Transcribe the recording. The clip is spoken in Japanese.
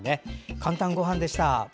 「かんたんごはん」でした。